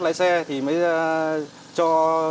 lái xe thì mới cho